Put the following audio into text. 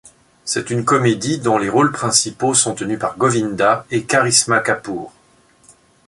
C'est une comédie dont les rôles principaux sont tenus par Govinda et Karisma Kapoor.